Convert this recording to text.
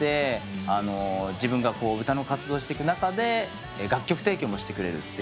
自分が歌の活動していく中で楽曲提供もしてくれる。